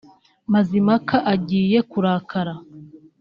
Mazimpaka agiye kurakara